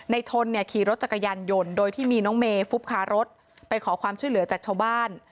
ทนเนี่ยขี่รถจักรยานยนต์โดยที่มีน้องเมฟุบคารถไปขอความช่วยเหลือจากชาวบ้าน